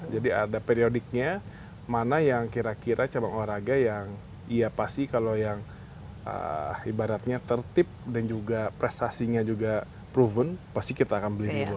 jadi ada periodiknya mana yang kira kira cabang olahraga yang iya pasti kalau yang ibaratnya tertip dan juga prestasinya juga proven pasti kita akan beli reward